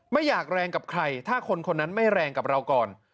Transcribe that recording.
ไม่อยากแรงกับใครถ้าคนคนนั้นไม่แรงกับเราก่อน